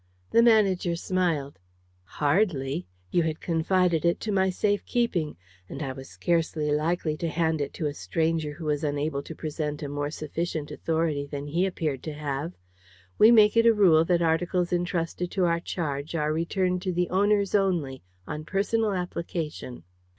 The manager smiled. "Hardly. You had confided it to my safe keeping, and I was scarcely likely to hand it to a stranger who was unable to present a more sufficient authority than he appeared to have. We make it a rule that articles entrusted to our charge are returned to the owners only, on personal application."